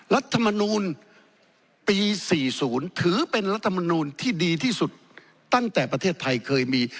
รัฐมนูลปี๔๐ถือเป็นรัฐมนูลที่ดีที่สุดตั้งแต่ประเทศไทยเคยมี